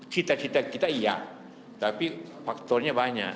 cita cita kita iya tapi faktornya banyak